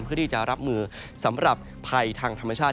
เพื่อที่จะรับมือสำหรับภัยทางธรรมชาติ